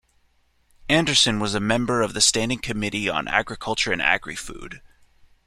Anderson was a member of the Standing Committee on Agriculture and Agri-Food.